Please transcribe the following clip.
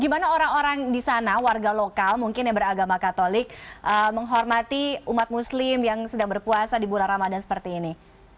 gimana orang orang di sana warga lokal mungkin yang beragama katolik menghormati umat muslim yang sedang berpuasa di bulan ramadan seperti ini